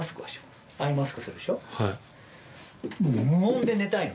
はい。